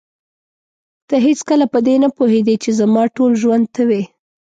ته هېڅکله په دې نه پوهېدې چې زما ټول ژوند ته وې.